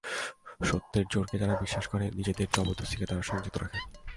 সত্যের জোরকে যারা বিশ্বাস করে নিজেদের জবরদস্তিকে তারা সংযত রাখে।